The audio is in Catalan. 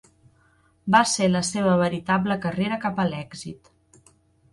Va ser la seva veritable carrera cap a l'èxit.